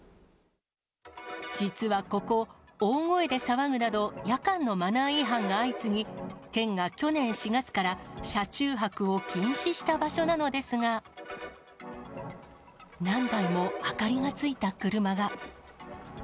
実はここ、大声で騒ぐなど、夜間のマナー違反が相次ぎ、県が去年４月から車中泊を禁止した場所なのですが、何台も明かりがついた車が。